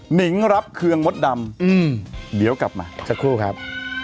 นิงรับเครื่องมดดำเดี๋ยวกลับมาสักครู่ครับ